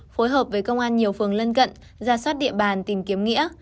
phối hợp với công an nhiều phường lân cận ra soát địa bàn tìm kiếm nghĩa